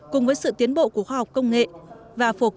cùng với sự tiến bộ của khoa học công nghệ